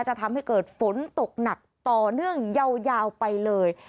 จะทำให้เกิดฝนตกหนักต่อเนื่องยาวไปเลย